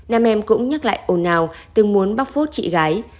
nam em cũng nhắc lại ồn ào từng muốn bóc phốt chị gái